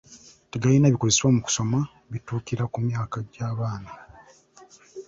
Tegalina bikozesebwa mu kusoma bituukira ku myaka gya baana.